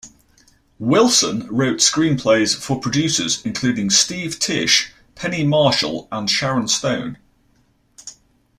Wilson wrote screenplays for producers including Steve Tisch, Penny Marshall, and Sharon Stone.